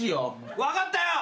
分かったよ！